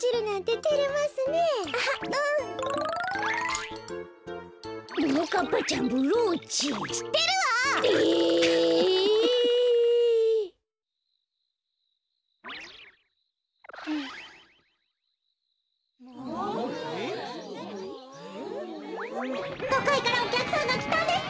とかいからおきゃくさんがきたんですって！